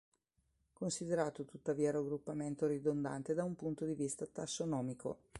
Considerato tuttavia raggruppamento ridondante da un punto di vita tassonomico.